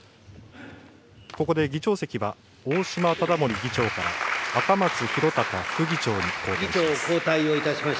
ここで議長席は、大島理森議長から赤松広隆副議長に交代です。